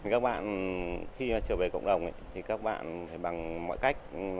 các bạn khi trở về cộng đồng thì các bạn phải bằng mọi cách